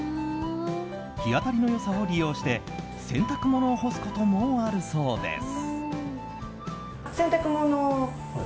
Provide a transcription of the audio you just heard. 日当たりの良さを利用して洗濯物を干すこともあるそうです。